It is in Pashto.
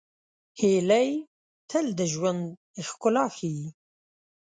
هیلۍ تل د ژوند ښکلا ښيي